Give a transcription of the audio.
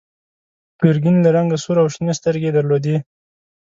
ګرګین له رنګه سور و او شنې سترګې یې درلودې.